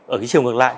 ở chiều ngược lại